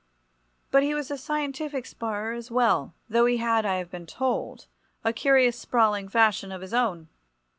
But he was a scientific sparrer as well, though he had, I have been told, a curious sprawling fashion of his own.